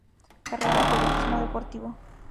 Carrera Periodismo deportivo.